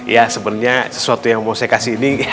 ya sebenarnya sesuatu yang mau saya kasih ini